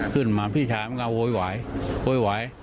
ขึ้นมาพี่ชายมันก็โวยวายโวยวาย